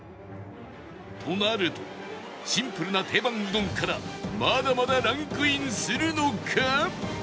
となるとシンプルな定番うどんからまだまだランクインするのか？